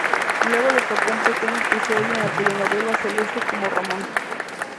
Luego le tocó un pequeño episodio en la telenovela "Celeste" como "Ramón".